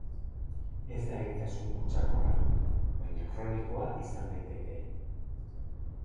Ez da eritasun kutsakorra baina kronikoa izan daiteke.